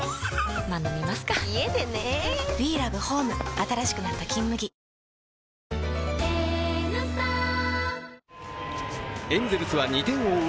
新しくなったエンゼルスは２点を追う